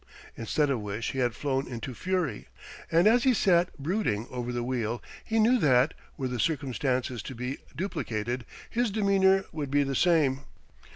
Instead of which, he had flown into fury. And as he sat brooding over the wheel, he knew that, were the circumstances to be duplicated, his demeanour would be the same.